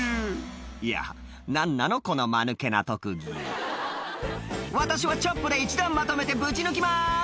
いや何なのこのマヌケな特技「私はチョップで１段まとめてぶち抜きます」